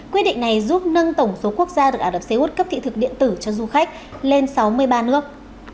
quyết định này giúp nâng tổng số quốc gia được ả rập xê út cấp thị thực điện tử cho du khách lên sáu mươi ba nước